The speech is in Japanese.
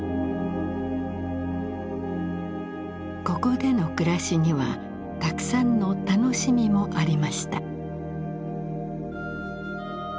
ここでの暮らしにはたくさんの楽しみもありました。